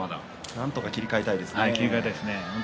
なんとか切り替えたいですね。